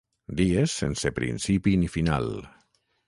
Dies sense principi ni final.